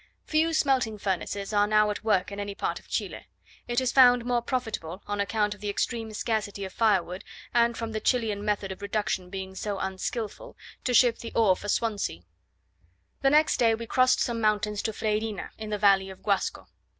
Few smelting furnaces are now at work in any part of Chile; it is found more profitable, on account of the extreme scarcity of firewood, and from the Chilian method of reduction being so unskilful, to ship the ore for Swansea. The next day we crossed some mountains to Freyrina, in the valley of Guasco.